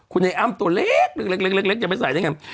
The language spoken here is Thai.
คุณไอ้อ้ำตัวเล็กจะไปใส่ได้ไง